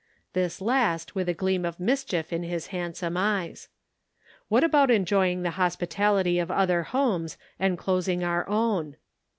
This last with a gleam of mischief in his handsome eyes. " What about enjoying the hospitality of other homes and closing our own